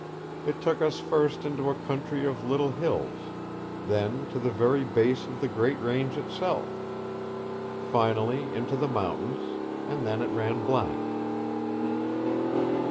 It took us first into a country of little hills; then to the very base of the great range itself; finally into the mountains and then it ran blank."